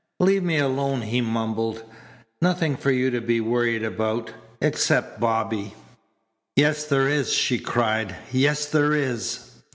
"Leave me alone," he mumbled. "Nothing for you to be worried about, except Bobby." "Yes, there is," she cried. "Yes, there is."